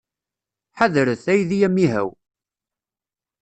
Ḥadret, aydi amihaw!